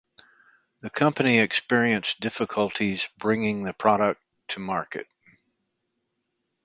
The company experienced difficulties bringing the product to market.